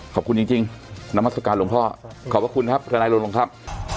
ขอบคุณจริงจริงน้ำมาศกาลหลวงพ่อขอบคุณครับพนัยรุนโรงครับ